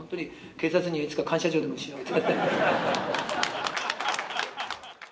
警察にいつか感謝状でもしよう。